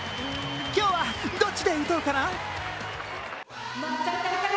今日はどっちで行こうかな。